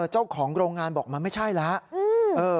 เจ้าของโรงงานบอกมันไม่ใช่แล้ว